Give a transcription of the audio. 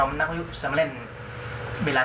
เพื่อเตรียมอัพพร้อมของเครื่องมืออุปกรณ์